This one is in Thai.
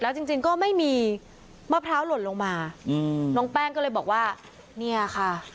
จริงจริงก็ไม่มีมะพร้าวหล่นลงมาอืมน้องแป้งก็เลยบอกว่าเนี่ยค่ะ